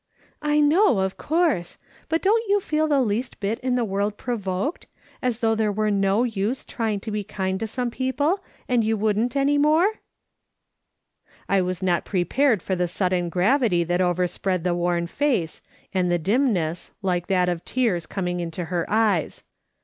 " I know, of course ; but don't you feel the least bit in the world provoked ; as though there were no use trying to be kind to some people, and you wouldn't any more 1" I was not prepared for the sudden gravity that overspread the worn face, and the dimness, like that of tears coming into her eyes.